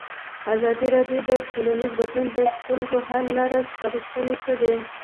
ازادي راډیو د ټولنیز بدلون د ستونزو حل لارې سپارښتنې کړي.